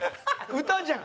歌じゃん。